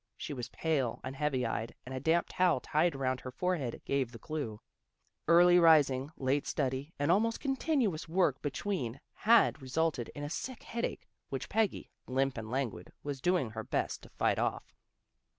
She was pale and heavy eyed and a damp towel tied around her forehead gave the clue. Early rising, late study, and almost continuous work between had resulted in a sick headache, which Peggy, limp and languid, was doing her best to fight off.